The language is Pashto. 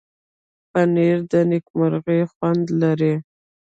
پنېر د نېکمرغۍ خوند لري.